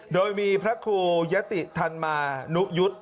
โดยมีพระครูยะติธรรมานุยุทธ์